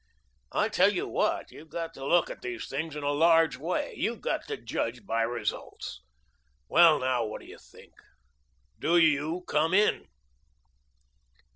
I tell you what, you've got to look at these things in a large way. You've got to judge by results. Well, now, what do you think? Do you come in?"